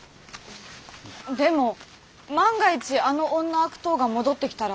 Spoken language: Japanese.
でも万が一あの女悪党が戻ってきたら？